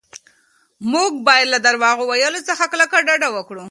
موږ باید له درواغ ویلو څخه په کلکه ډډه وکړو.